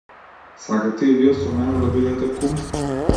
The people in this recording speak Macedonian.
Сакате и вие со мене да бидете кум?